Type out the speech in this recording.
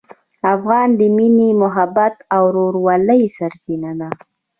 افغان د مینې، محبت او ورورولۍ سرچینه ده.